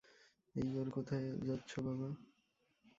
এইবার কোথায় যাচ্ছো, বাবা?